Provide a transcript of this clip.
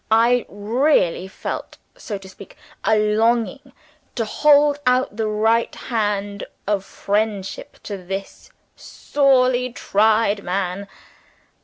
I really felt, so to speak, a longing to hold out the right hand of friendship to this sorely tried man.